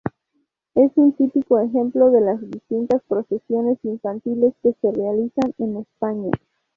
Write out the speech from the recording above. Es un típico ejemplo de las distintas procesiones infantiles que se realizan en España.